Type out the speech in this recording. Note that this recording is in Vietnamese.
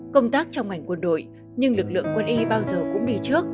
công tác trong ngành quân đội nhưng lực lượng quân y bao giờ cũng đi trước